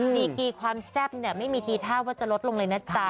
ดีกีความแซ่บเนี่ยไม่มีทีท่าว่าจะลดลงเลยนะจ๊ะ